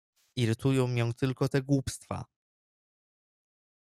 "Irytują mię tylko te głupstwa!"